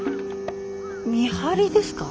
見張りですか？